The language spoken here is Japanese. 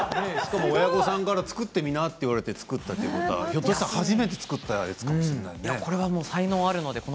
親御さんから作ってみない？と言われて作ったとしたら、ひょっとしたら初めてかもしれないね。